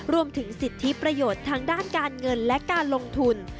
รวมถึงสิทธิประโยชน์ทางด้านการเงินและการลงทุน